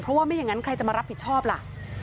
เพราะว่าไม่อย่างนั้นใครจะมารับผิดชอบล่ะ